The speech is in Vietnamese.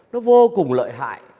nó vô cùng lợi hại